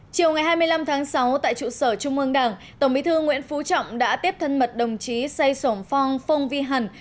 chiều ngày hai mươi năm tháng sáu tại trụ sở trung ương đảng tổng bí thư nguyễn phú trọng đã tiếp thân mật đồng chí say sổm phong phong vi hẳn